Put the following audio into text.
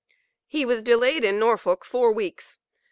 He was delayed in Norfolk four weeks.